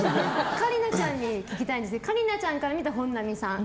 桂里奈ちゃんに聞きたいんですけど桂里奈ちゃんから見た本並さん。